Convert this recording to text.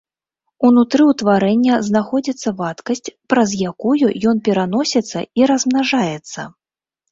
Унутры ўтварэння знаходзіцца вадкасць, праз якую ён пераносіцца і размнажаецца.